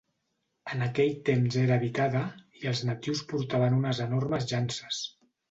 En aquell temps era habitada i els natius portaven unes enormes llances.